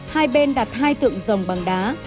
hai bên đặt hai tượng rồng bằng đá